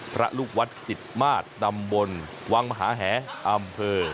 พระลูกวัดจิตมาศตำบลวังมหาแหอำเภอ